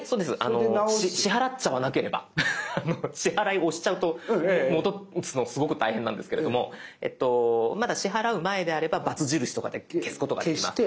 支払いを押しちゃうと戻すのすごく大変なんですけれどもまだ支払う前であればバツ印とかで消すことができます。